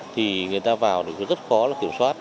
thì người ta vào thì rất khó kiểm soát